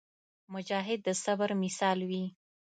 مجاهد د صبر مثال وي.